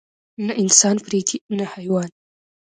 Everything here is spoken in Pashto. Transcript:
نه انسان پرېږدي نه حيوان.